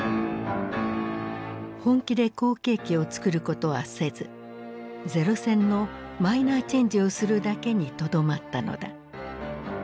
本気で後継機をつくることはせず零戦のマイナーチェンジをするだけにとどまったのだ。